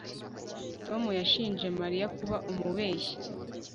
Tom yashinje Mariya kuba umubeshyi